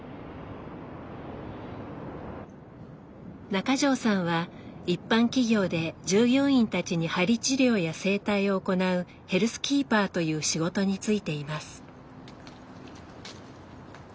中条さんは一般企業で従業員たちに鍼治療や整体を行うヘルスキーパーという仕事に就いています。